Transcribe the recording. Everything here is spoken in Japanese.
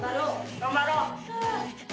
頑張ろう。